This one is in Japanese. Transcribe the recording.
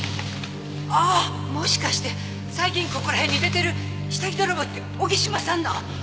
ああもしかして最近ここらへんに出てる下着泥棒って荻島さんなん？